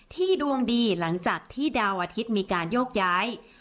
ดวงดีหลังจากที่ดาวอาทิตย์มีการโยกย้าย